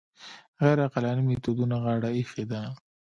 غیر عقلاني میتودونو غاړه ایښې ده